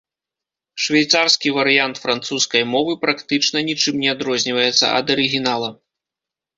Швейцарскі варыянт французскай мовы практычна нічым не адрозніваецца ад арыгінала.